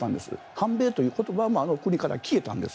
反米という言葉もあの国から消えたんです。